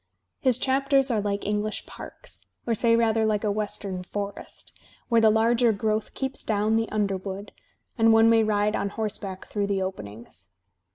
His chapters are like English parks, or say rather like a Western forest, where the larger growth keeps down the underwood, and one may ride on horseback through the openings.